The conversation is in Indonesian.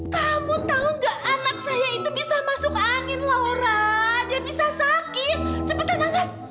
kamu tau nggak anak saya itu bisa masuk angin laura dia bisa sakit cepetan banget